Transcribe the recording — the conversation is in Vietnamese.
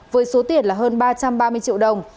với số tiền là hơn ba trăm ba mươi triệu đồng